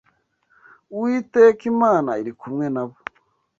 Uwiteka Imana iri kumwe na bo